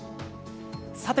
さて、